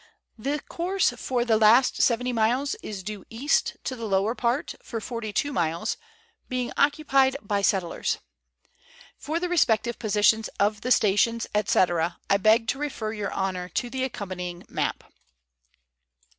The course for the last 70 miles is due east, the lower part, for 42 miles, being occupied by settlers. For the respective positions of the stations, &c., I beg to refer Your Honour to the accompanying map.